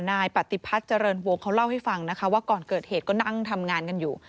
นายปฏิพัฒน์เจริญวงเขาเล่าให้ฟังนะคะว่าก่อนเกิดเหตุก็นั่งทำงานกันอยู่